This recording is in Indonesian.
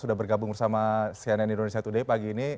sudah bergabung bersama cnn indonesia today pagi ini